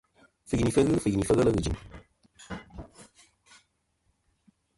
Fɨyinifɨ ghɨ fɨyinìfɨ ghelɨ ghɨ jɨ̀m.